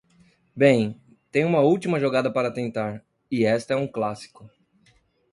Bem, tenho uma última jogada para tentar, e esta é um clássico.